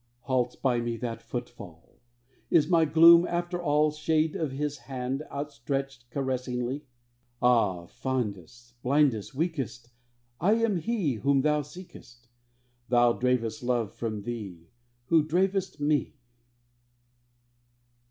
Halts by me that footfall: Is my gloom, after all, Shade of His hand, outstretched caressingly? "Ah, fondest, blindest, weakest, I am He Whom thou seekest! Thou dravest love from thee, who dravest Me."